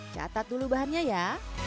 catat dulu bahannya ya